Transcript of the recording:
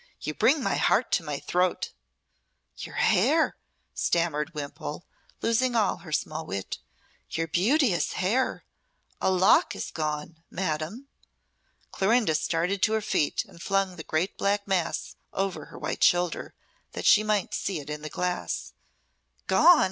"You bring my heart to my throat!" "Your hair!" stammered Wimpole, losing all her small wit "your beauteous hair! A lock is gone, madam!" Clorinda started to her feet, and flung the great black mass over her white shoulder, that she might see it in the glass. "Gone!"